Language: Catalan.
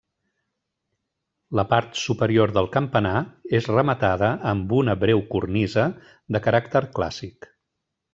La part superior del campanar és rematada amb una breu cornisa de caràcter clàssic.